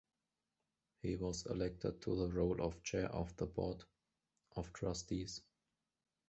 He was elected to the role of Chair of the Board of Trustees.